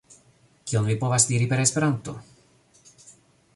Kion vi povas diri per Esperanto?